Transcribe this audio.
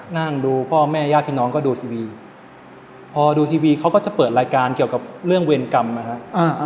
นั่งดูพ่อแม่ญาติพี่น้องก็ดูทีวีพอดูทีวีเขาก็จะเปิดรายการเกี่ยวกับเรื่องเวรกรรมนะครับ